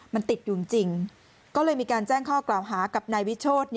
มันติดอยู่จริงก็เลยมีการแจ้งข้อกล่าวหากับนายวิโชธ